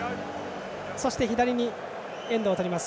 そして左にエンドをとります